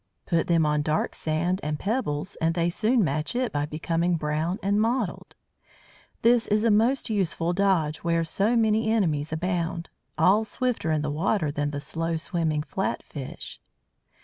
Put them on dark sand and pebbles, and they soon match it by becoming brown and mottled. This is a most useful dodge where so many enemies abound, all swifter in the water than the slow swimming flat fish.